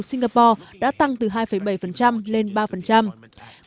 singapore đã tăng từ hai bảy lên ba các chuyên gia dự báo thị trường lao động singapore sẽ còn gặp nhiều khóa